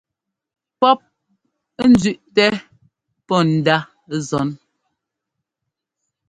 Pɔ́p nzẅíꞌtɛ pɔ́ ndaꞌ zɔ́n.